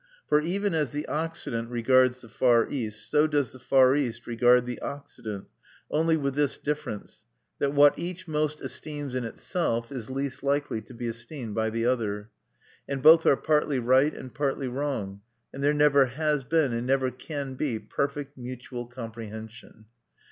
For even as the Occident regards the Far East, so does the Far East regard the Occident, only with this difference: that what each most esteems in itself is least likely to be esteemed by the other. And both are partly right and partly wrong; and there never has been, and never can be, perfect mutual comprehension.